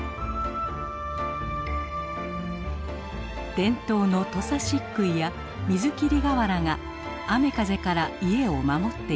伝統の土佐漆喰や水切り瓦が雨風から家を守っています。